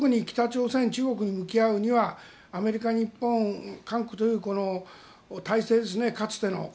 北朝鮮、中国に向き合うにはアメリカ、日本、韓国という体制ですね、かつての。